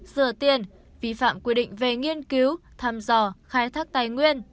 rửa tiền vi phạm quy định về nghiên cứu thăm dò khai thác tài nguyên